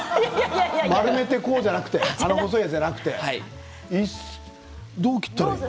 丸めてこうじゃなくて細いやつじゃなくてどう切ったらいいの？